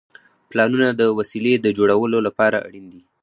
پلانونه د وسیلې د جوړولو لپاره اړین دي.